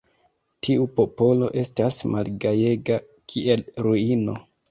Tiu popolo estas malgajega, kiel ruino.